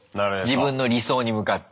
自分の理想に向かって。